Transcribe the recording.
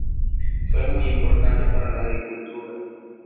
Fue muy importante para la agricultura.